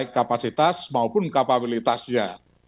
kapasitas maupun kapabilitasnya